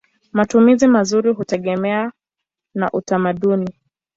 Matumizi mazuri hutegemea na utamaduni.